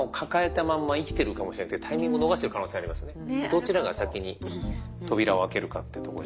どちらが先に扉を開けるかっていうところで。